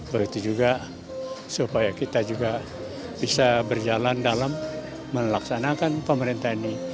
begitu juga supaya kita juga bisa berjalan dalam melaksanakan pemerintahan ini